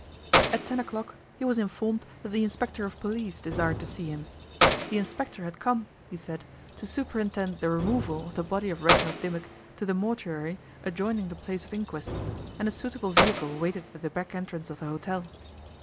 At ten o'clock he was informed that the inspector of police desired to see him. The inspector had come, he said, to superintend the removal of the body of Reginald Dimmock to the mortuary adjoining the place of inquest, and a suitable vehicle waited at the back entrance of the hotel.